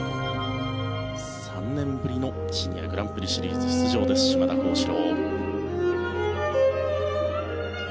３年ぶりのシニアグランプリシリーズ出場です、島田高志郎。